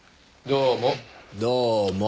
どうも。